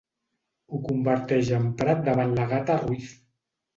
Ho converteix en prat davant l'Agatha Ruiz.